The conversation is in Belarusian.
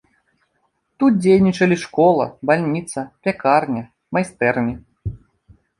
Тут дзейнічалі школа, бальніца, пякарня, майстэрні.